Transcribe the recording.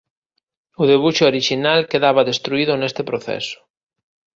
O debuxo orixinal quedaba destruído neste proceso.